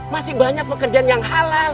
masih banyak pekerjaan yang halal